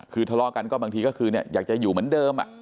คือทะเลาะกันก็บางทีก็คืออยากจะอยู่เหมือนเดิม